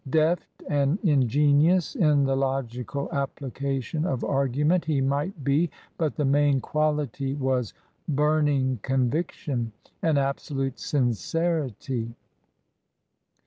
Deft and in genious in the logical application of argument he might be, but the main quality was burning conviction and ab solute sincerity.